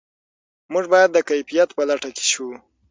موږ باید د کیفیت په لټه کې شو.